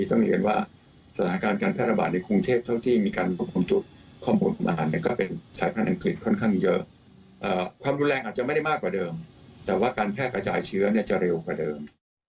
แต่ว่าการแพทย์กระจายเชื้อเนี่ยจะเร็วกว่าเดิม